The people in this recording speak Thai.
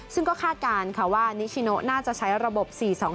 ซึ่งก็คาดการณ์ค่ะว่านิชิโนน่าจะใช้ระบบ๔๒๒